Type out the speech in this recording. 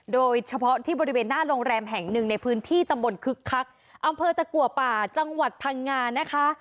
โดยเฉพาะที่บริเวณหน้าโรงแรมแห่งหนึ่งในพื้นที่ตำบลคึกคักอำเภอตะกัวป่าจังหวัดพังงานะคะ